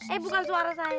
eh bukan suara saya